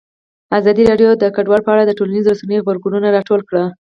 ازادي راډیو د کډوال په اړه د ټولنیزو رسنیو غبرګونونه راټول کړي.